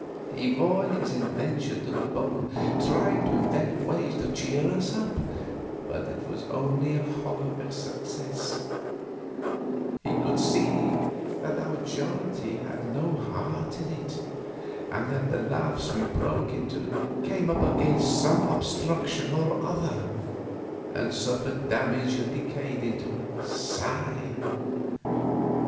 He wore his invention to the bone trying to invent ways to cheer us up, but it was only a hollow success; he could see that our jollity had no heart in it, and that the laughs we broke into came up against some obstruction or other and suffered damage and decayed into a sigh.